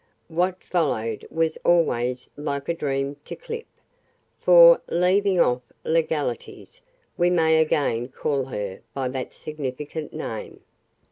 What followed was always like a dream to Clip for, leaving off legalities, we may again call her by that significant name.